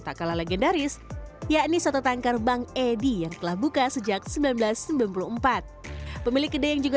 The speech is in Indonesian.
tak kalah legendaris yakni soto tangkar bang edi yang telah buka sejak seribu sembilan ratus sembilan puluh empat pemilik kedai yang juga